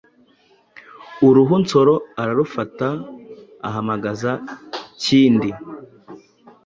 Uruhu Nsoro ararufata ahamagaza Kindi,